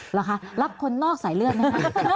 เหรอคะรับคนนอกสายเลือดไหมคะ